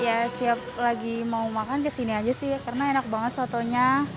ya setiap lagi mau makan kesini aja sih karena enak banget sotonya